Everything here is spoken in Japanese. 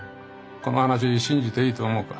この話信じていいと思うか？